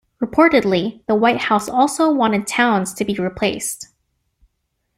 Reportedly, the White House also wanted Towns to be replaced.